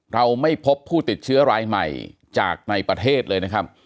เราไม่พบผู้ติดเชื้อรายใหม่จากในประเทศเลยนะครับ